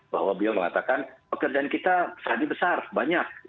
bahwa dia mengatakan pekerjaan kita sangat besar banyak